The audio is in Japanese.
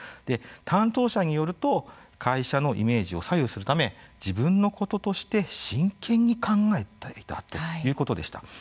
担当者によると会社のイメージを左右するため自分のこととして、真剣に考えていたということでした。